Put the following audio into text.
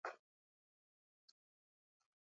wawakilishi katika bunge la London na nafasi